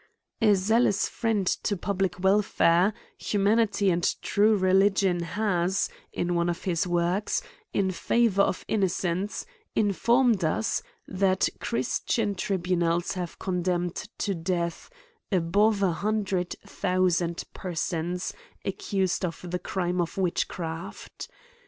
A zealous friend to public welfare, humanity and true religion, has, in one of his works in favor of innocence, informed us, that christian tribunals have condemned to death, above an hundred thousand persons accused of the crime ofwitch ciraft.